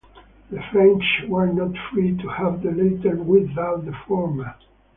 The French were not free to have the latter without the former.